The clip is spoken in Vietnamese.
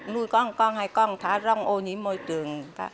nuôi có một con hay con thả rông ô nhiễm môi trường